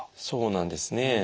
そうなんですね。